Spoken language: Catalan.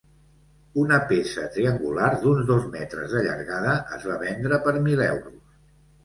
Una peça triangular d'uns dos metres de llargada es va vendre per mil euros.